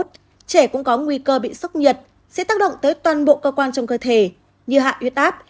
trẻ cũng có nguy cơ bị sốc nhiệt sẽ tác động tới toàn bộ cơ quan trong cơ thể như hạ huyết áp